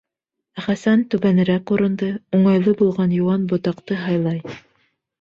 Ә Хәсән түбәнерәк урынды, уңайлы булған йыуан ботаҡты һайлай.